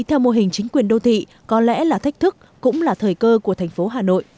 theo mô hình chính quyền đô thị có lẽ là thách thức cũng là thời cơ của thành phố hà nội